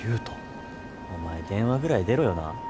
お前電話ぐらい出ろよな。